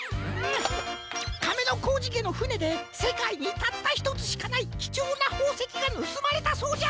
かめのこうじけのふねでせかいにたったひとつしかないきちょうなほうせきがぬすまれたそうじゃ！